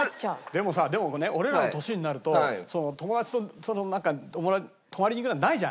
でもさでもね俺らの年になると友達となんか泊まりに行くなんてないじゃん。